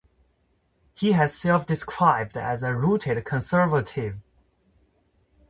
He has self-described as a "rooted conservative".